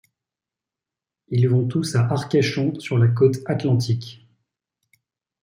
Ils vont tous à Arcachon sur la côte atlantique.